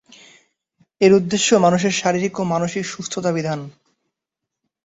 এর উদ্দেশ্য মানুষের শারীরিক ও মানসিক সুস্থতাবিধান।